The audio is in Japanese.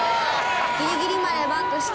「ギリギリまでバックして」